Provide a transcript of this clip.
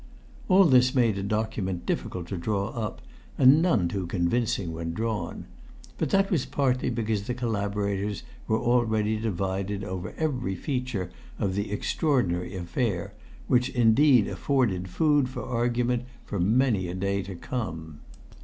All this made a document difficult to draw up, and none too convincing when drawn; but that was partly because the collaborators were already divided over every feature of the extraordinary affair, which indeed afforded food for argument for many a day to come.